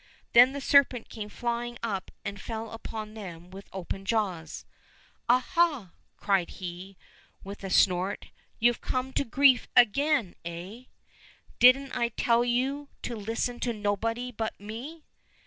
Then the serpent came flying up and fell upon them with open jaws. " Ah ha !" cried he, with a snort, you've come to grief again, eh ? Didn't I tell you to listen to nobody but me